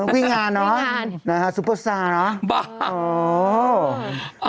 วิ่งงานเนอะซุปเปอร์สตาร์เนอะบ้า